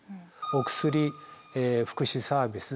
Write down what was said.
お薬福祉サービス